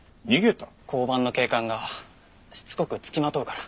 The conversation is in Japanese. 交番の警官がしつこくつきまとうから。